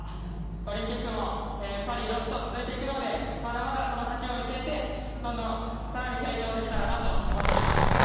オリンピックもパリ、ロスと続いていくので、まだまだその先を見据えてどんどんさらに成長できたらなと思っております。